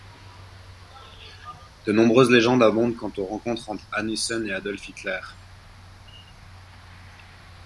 De nombreuses légendes abondent quant aux rencontres entre Hanussen et Adolf Hitler.